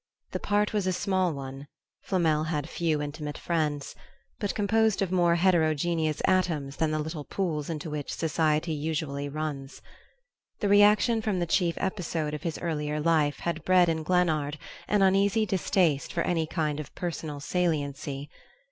The party was a small one Flamel had few intimate friends but composed of more heterogeneous atoms than the little pools into which society usually runs. The reaction from the chief episode of his earlier life had bred in Glennard an uneasy distaste for any kind of personal saliency.